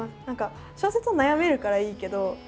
何か小説は悩めるからいいけど。